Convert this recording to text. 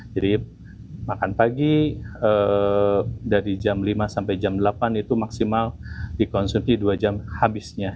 jadi makan pagi dari jam lima sampai jam delapan itu maksimal dikonsumsi dua jam habisnya